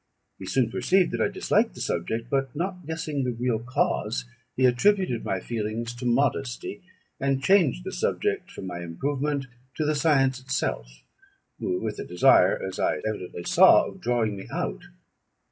He soon perceived that I disliked the subject; but not guessing the real cause, he attributed my feelings to modesty, and changed the subject from my improvement, to the science itself, with a desire, as I evidently saw, of drawing me out.